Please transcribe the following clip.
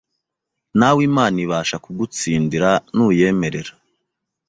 Nawe Imana ibasha kugutsindira nuyemerera.